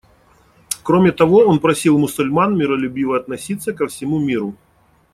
Кроме того, он просил мусульман миролюбиво относиться ко всему миру.